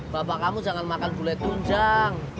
bapak kamu jangan makan gulai tunjang